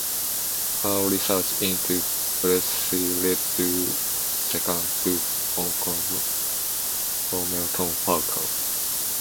Her research into Presley led to a second book on Colonel Tom Parker.